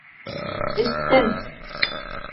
Эстем.